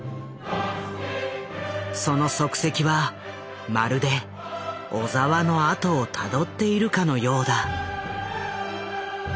その足跡はまるで小澤のあとをたどっているかのようだ。